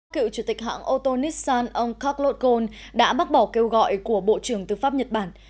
cựu chủ tịch hãng ô tô nissan ông carlos ghen đã bác bỏ kêu gọi của bộ trưởng tư pháp nhật bản